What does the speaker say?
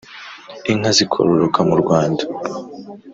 inka zikororoka mu rwanda.